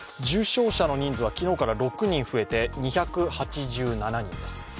重症者の人数は昨日から６人増えて２７８人です。